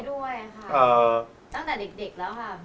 ด้วยค่ะตั้งแต่เด็กแล้วค่ะ